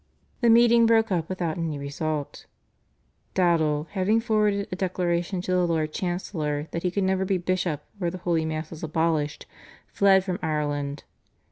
The meeting broke up without any result. Dowdall, having forwarded a declaration to the Lord Chancellor that he could never be bishop where the Holy Mass was abolished, fled from Ireland.